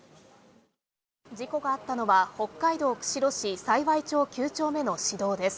事故があったのは北海道釧路市幸町９丁目の市道です。